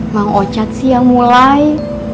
mang ocat sih yang mulai